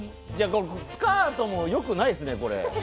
スカートもよくないですね、これ。